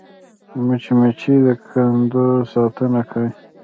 مچمچۍ د کندو ساتنه کوي